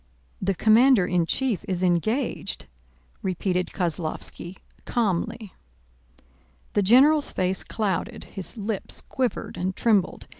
"The commander in chief is engaged," repeated Kozlóvski calmly. The general's face clouded, his lips quivered and trembled.